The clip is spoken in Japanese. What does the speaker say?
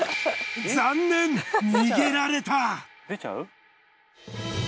残念逃げられた。